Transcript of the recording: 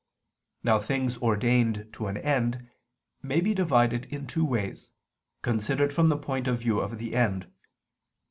Now things ordained to an end may be divided in two ways, considered from the point of view of the end.